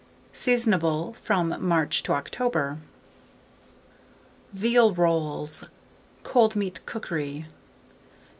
Seasonable from March to October. VEAL ROLLS (Cold Meat Cookery). 902.